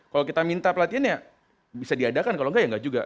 kalau kita minta pelatihan ya bisa diadakan kalau enggak ya enggak juga